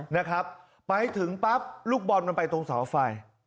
นะครับไปถึงปั๊บลูกบอลมันไปตรงเสาไฟ